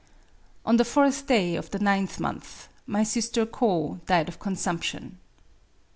... On the fourth day of the ninth month my sister Ko died of consumption.